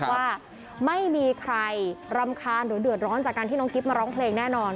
ว่าไม่มีใครรำคาญหรือเดือดร้อนจากการที่น้องกิ๊บมาร้องเพลงแน่นอน